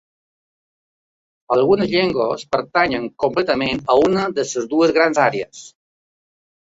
Algunes llengües pertanyen completament a una de les dues grans àrees.